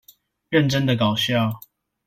認真的搞笑